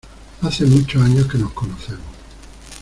Hace muchos años que nos conocemos.